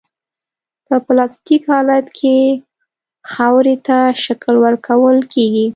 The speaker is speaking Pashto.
په پلاستیک حالت کې خاورې ته شکل ورکول کیږي